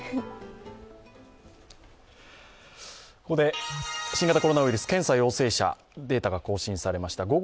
ここで新型コロナウイルス、検査陽性者、データが更新されました。